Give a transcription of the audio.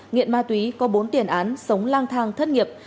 nghiện ma túy có bốn tiền án sống lang thang thất nghiệp